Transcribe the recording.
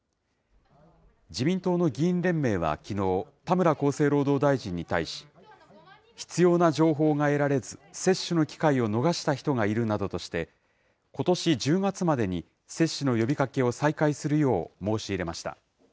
自民党の議員連盟はきのう、田村厚生労働大臣に対し、必要な情報が得られず、接種の機会を逃した人がいるなどとして、ことし１０月までに接種の呼びかけを再開するよう申し入れました。